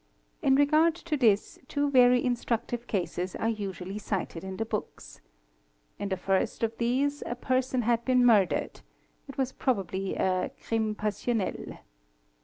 In regard to this two very instructive cases are usually cited in the books. In the first of these a person had been murdered—it was probably a crime passionnel.